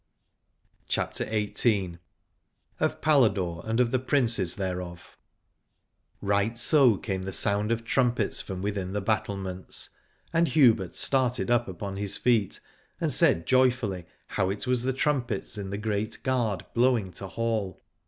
io8 CHAPTER XVIII. OF PALADORE AND OF THE PRINCES THEREOF. Right so came the sound of trumpets from within the battlements: and Hubert started up upon his feet and said joyfully how it was the trumpets in the Great Gard blowing to hall.